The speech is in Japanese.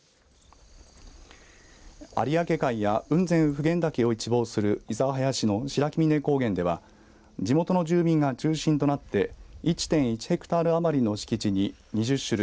有明海や雲仙・普賢岳を一望する諫早市の白木峰高原では地元の住民が中心となって１．１ヘクタール余りの敷地に２０種類